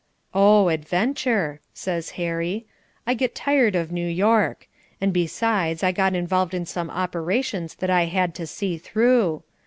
"Oh, adventure," says Harry, "I get tired of New York. And besides I got involved in some operations that I had to see through.